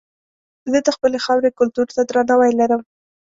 زه د خپلې خاورې کلتور ته درناوی لرم.